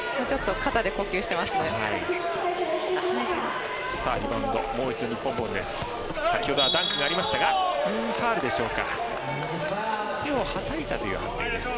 肩で呼吸してますね。